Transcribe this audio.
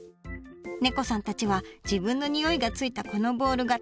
ねこさんたちは自分のにおいがついたこのボールが大層お気に入り。